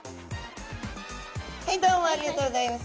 はいどうもありがとうございます。